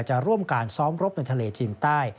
จะร่วมการซ้อมรบในทะเลจีนใต้